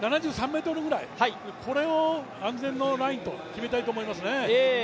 ７３ｍくらい、これを安全のラインと決めたいと思いますね。